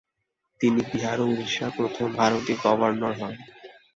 তিনি বিহার ও ওড়িশার প্রথম ভারতীয় গভর্নর হন।